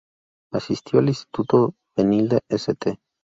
Asistió al instituto Benilde-St.